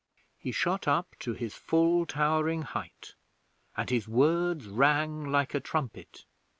He shot up to his full towering height, and his words rang like a trumpet.